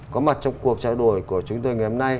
có mặt trong cuộc trao đổi của chúng tôi ngày hôm nay